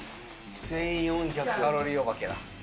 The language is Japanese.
１４００、カロリーお化けだ。